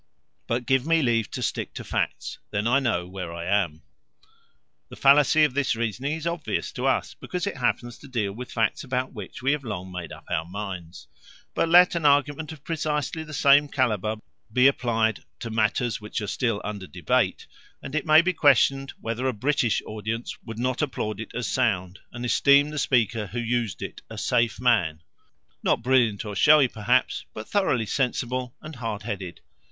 But give me leave to stick to facts; then I know where I am." The fallacy of this reasoning is obvious to us, because it happens to deal with facts about which we have long made up our minds. But let an argument of precisely the same calibre be applied to matters which are still under debate, and it may be questioned whether a British audience would not applaud it as sound, and esteem the speaker who used it a safe man not brilliant or showy, perhaps, but thoroughly sensible and hard headed.